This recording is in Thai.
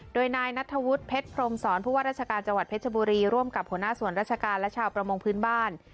โดยนายนัทธวุฒิเพชรพรมศรผู้ว่าราชการจังหวัดเพชรบุรีร่วมกับหัวหน้าส่วนราชการและชาวประมงพื้นบ้าน